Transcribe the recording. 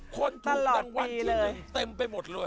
คนถูกรางวัลที่๑เต็มไปหมดเลย